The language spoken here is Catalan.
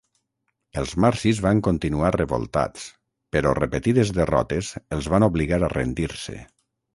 Els marsis van continuar revoltats però repetides derrotes els van obligar a rendir-se.